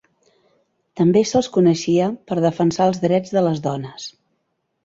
També se'l coneixia per defensar els drets de les dones.